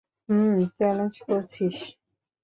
হুম, challenge করছিস।